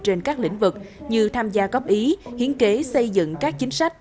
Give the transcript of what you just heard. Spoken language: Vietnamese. trên các lĩnh vực như tham gia góp ý hiến kế xây dựng các chính sách